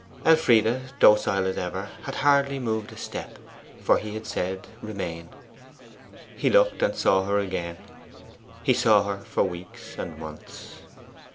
Elfride, docile as ever, had hardly moved a step, for he had said, Remain. He looked and saw her again he saw her for weeks and months.